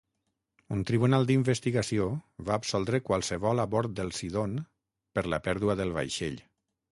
Un tribunal d'investigació va absoldre qualsevol a bord del "Sidon" per la pèrdua del vaixell.